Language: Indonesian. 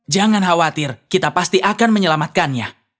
jangan khawatir kita pasti akan menyelamatkannya